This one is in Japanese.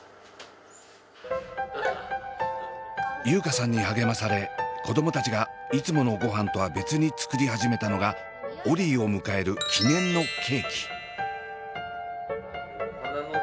優佳さんに励まされ子供たちがいつものごはんとは別に作り始めたのがオリィを迎える記念のケーキ。